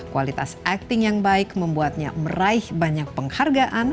kualitas acting yang baik membuatnya meraih banyak penghargaan